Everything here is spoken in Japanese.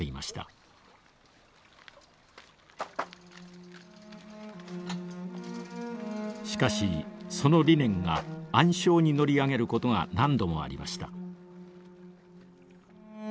しかしその理念が暗礁に乗り上げることが何度もありました。